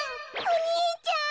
お兄ちゃん。